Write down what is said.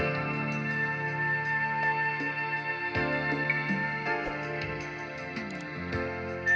aku selalu ingin menghina aku ha